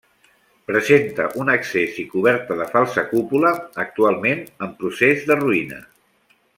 Presenta un accés i coberta de falsa cúpula, actualment en procés de ruïna.